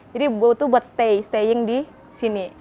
jadi butuh buat stay staying di sini